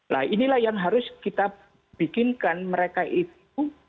nah inilah yang harus kita bikinkan mereka itu